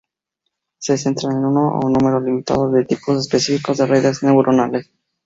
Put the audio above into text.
Se centran en uno o un número limitado de tipos específicos de redes neuronales.